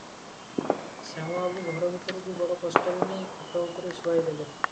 ଶ୍ୟାମ ବାବୁ ଘର ଭିତରକୁ ବଡ଼ କଷ୍ଟରେ ନେଇ ଖଟଉପରେ ଶୁଆଇ ଦେଲେ ।